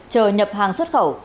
chờ nhập hàng xuất khẩu